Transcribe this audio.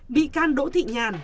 bị can đỗ thị nhàn